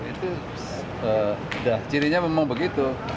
itu udah cirinya memang begitu